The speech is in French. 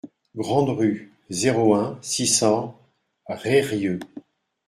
Grande Rue, zéro un, six cents Reyrieux